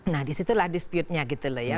nah disitulah disputenya gitu loh ya